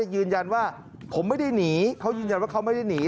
ยืนยันว่าผมไม่ได้หนี